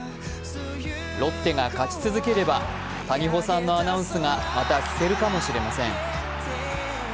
ロッテが勝ち続ければ、谷保さんのアナウンスがまた聞けるかもしれません。